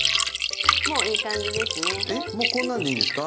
もういい感じですね。